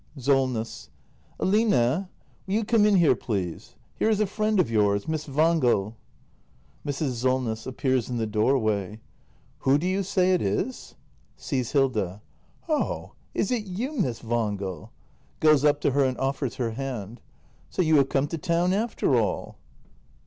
Solness. Aline! Will you come in here, please. Here is a friend of yours — Miss Wangel. Mrs. Solness. [Appears in the doorway .] Who do you say it is ? [Sees Hilda.] Oh, is it you, Miss Wangel ? [Goes up to her and offers her hand.] So you have come to town after all.